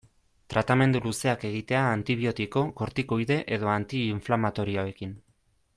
Tratamendu luzeak egitea antibiotiko, kortikoide edo anti-inflamatorioekin.